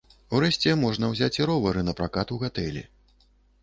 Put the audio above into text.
Урэшце, можна ўзяць і ровары напракат у гатэлі.